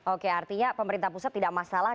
oke artinya pemerintah pusat tidak masalah